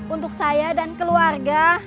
untuk saya dan keluarga